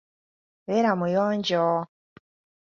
Beera muyonjo.